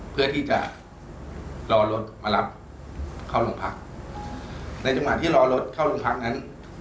เพื่อที่จะรอรถมารับเข้าโรงพักในจังหวะที่รอรถเข้าโรงพักนั้น